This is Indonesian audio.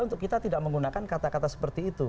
untuk kita tidak menggunakan kata kata seperti itu